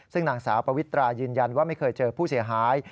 ซึ่งนางสาวปวิตรายืนยันว่าไม่เคยเจอผู้เสียหาย